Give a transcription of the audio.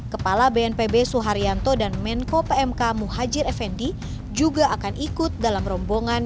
kepala bnpb suharyanto dan menko pmk muhajir effendi juga akan ikut dalam rombongan